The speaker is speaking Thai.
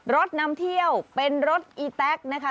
รถนำเที่ยวเป็นรถอีแต๊กนะคะ